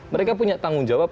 mereka punya tanggung jawab